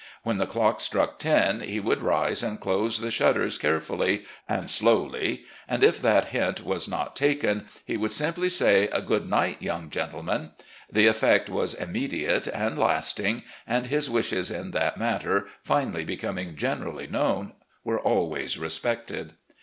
When the clock struck ten he would rise and close the shutters carefully and slowly, and, if that hint was not taken, he would simply say "Good night, young gentlemen." The effect was immediate and lasting, and his wishes in that matter, finally becoming generally known, were always respected.